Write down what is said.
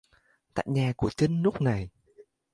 Tại nhà của chinh lúc này